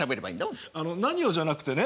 あの何をじゃなくてね